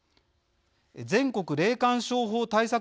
全国霊感商法対策